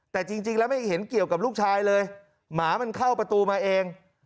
แต่จริงแล้วไม่เห็นเกี่ยวกับลูกชายเลยหมามันเข้าประตูมาเอง